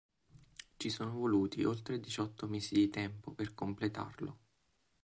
Ci sono voluti oltre diciotto mesi di tempo per completarlo.